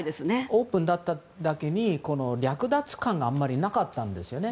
オープンだっただけに略奪感があまりなかったんですよね。